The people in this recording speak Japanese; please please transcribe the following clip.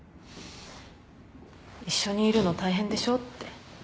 一緒にいるの大変でしょ？って。